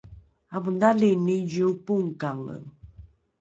amodhali nizio pongkange